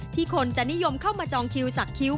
คนจะนิยมเข้ามาจองคิวสักคิ้ว